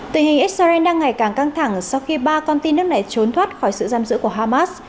tình hình israel đang ngày càng căng thẳng sau khi ba con tin nước này trốn thoát khỏi sự giam giữ của hamas